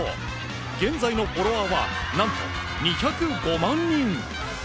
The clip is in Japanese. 現在のフォロワーは何と２０５万人。